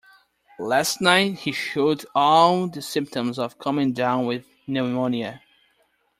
Last night he showed all the symptoms of coming down with pneumonia.